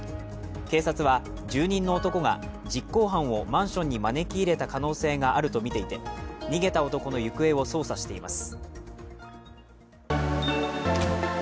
警察は、住人の男が実行犯をマンションに招き入れた可能性があるとみて、逃げた男の行方を捜査しています。